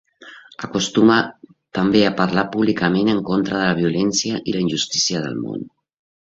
Acostuma també a parlar públicament en contra de la violència i la injustícia al món.